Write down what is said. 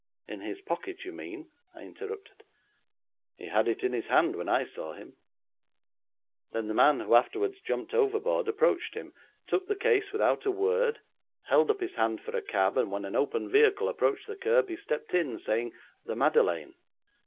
'In his pocket, you mean?' I interrupted. 'He had it in his hand when I saw him. Then the man who afterwards jumped overboard approached him, took the case without a word, held up his hand for a cab, and when an open vehicle approached the curb he stepped in, saying, "The Madeleine."